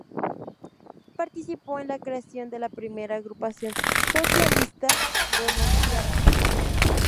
Participó en la creación de la primera agrupación socialista donostiarra.